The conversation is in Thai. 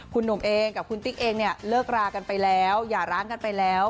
คุณหนุ่มเองกับคุณติ๊กเองเนี่ยเลิกรากันไปแล้วอย่าร้างกันไปแล้ว